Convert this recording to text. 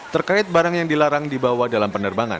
terkait barang yang dilarang dibawa dalam penerbangan